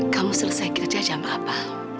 kamu selesai kerja jam apa